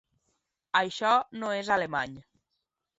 Això no és alemany.